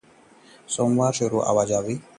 सोमवार से शुरू हो सकती है नियंत्रण रेखा पर आवाजाही